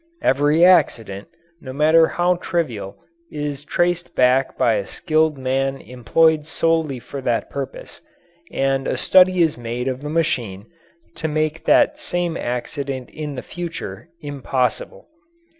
Every accident, no matter how trivial, is traced back by a skilled man employed solely for that purpose, and a study is made of the machine to make that same accident in the future impossible.